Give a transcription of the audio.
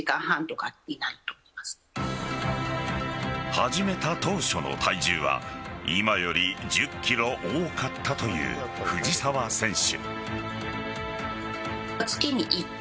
始めた当初の体重は今より１０ｋｇ多かったという藤澤選手。